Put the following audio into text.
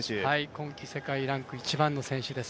今季世界ランク１番の選手です。